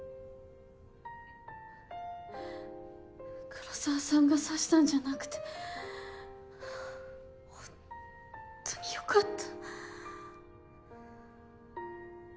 黒澤さんが刺したんじゃなくて本当に良かった。